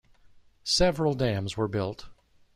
Several dams were built.